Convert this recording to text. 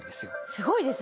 すごいですね。